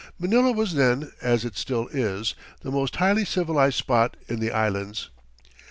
Manila was then, as it still is, the most highly civilized spot in the Islands.